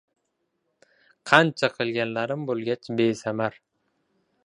Qancha qilganlarim bo‘lgach besamar –